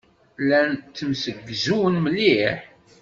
Llan ttemsegzun mliḥ.